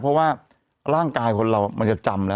เพราะว่าร่างกายคนเรามันจะจำแล้ว